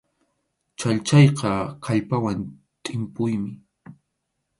Chhallchayqa kallpawan tʼimpuymi.